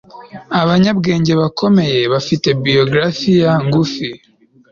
Abanyabwenge bakomeye bafite biografiya ngufi